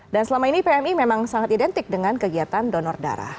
dan selama ini pmi memang sangat identik dengan kegiatan donor darah